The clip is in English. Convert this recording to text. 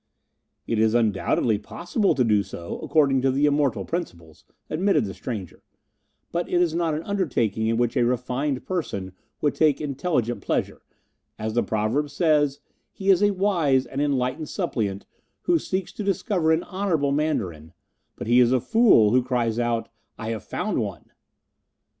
"It is undoubtedly possible to do so, according to the Immortal Principles," admitted the stranger; "but it is not an undertaking in which a refined person would take intelligent pleasure; as the proverb says, 'He is a wise and enlightened suppliant who seeks to discover an honourable Mandarin, but he is a fool who cries out, "I have found one."